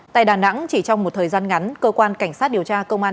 tại đà nẵng chỉ trong một thời gian ngắn cơ quan cảnh sát điều tra công an